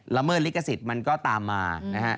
เมิดลิขสิทธิ์มันก็ตามมานะฮะ